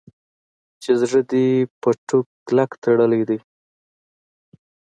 چې زړه دې په ټوک کلک تړلی دی.